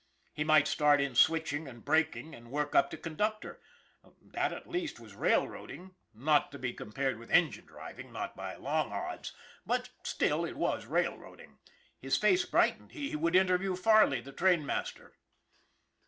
He might start in switching and braking, and work up to conductor. That, at least, was railroading not SPECKLES 315 to be compared with engine driving, not by long odds, but still it was railroading. His face brigh tened. He would interview Farley, the train master.